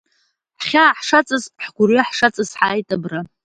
Ҳхьаа ҳшаҵаз, ҳгәырҩа ҳшаҵаз, ҳааит абра.